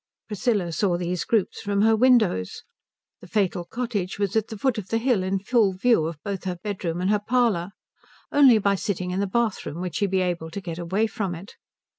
Priscilla saw these groups from her windows. The fatal cottage was at the foot of the hill in full view both of her bedroom and her parlour. Only by sitting in the bathroom would she be able to get away from it.